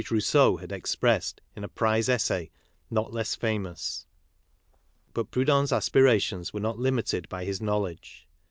y 12 KARL MARX Rousseau had expressed in a prize essay not less famous. But Proudhon's aspirations were not limited by his knowledge.